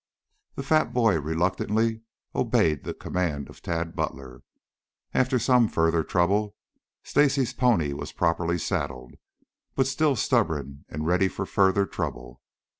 The fat boy reluctantly obeyed the command of Tad Butler. After some further trouble, Stacy's pony was properly saddled, but still stubborn and ready for further trouble.